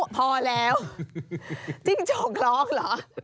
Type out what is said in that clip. พอแล้วจิ้งจกคล้องเหรอ